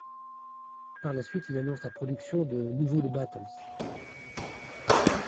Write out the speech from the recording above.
Par la suite, il annonce la production de nouveaux de battles.